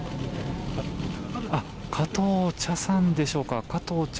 加藤茶さんでしょうか。